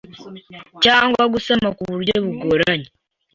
cyangwa gusama ku buryo bugoranye